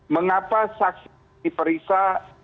mengapa saksi diperiksa